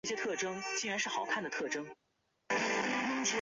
总部位于横滨市金泽区与相邻的车辆基地内。